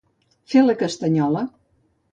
Fer la castanyola.